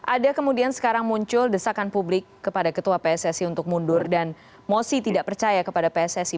ada kemudian sekarang muncul desakan publik kepada ketua pssi untuk mundur dan mosi tidak percaya kepada pssi